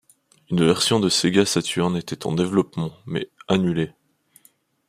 Une version de Sega Saturn était en développement, mais annulée.